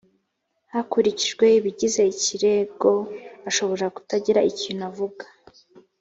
hakurikijwe ibigize ikirego ashobora kutagira ikintu avuga